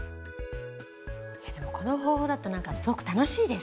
この方法だと何かすごく楽しいですね。